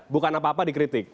bukan apa apa dikritik